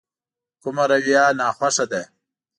کومه رويه ناخوښه ده.